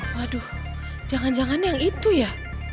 waduh jangan jangan yang itu ya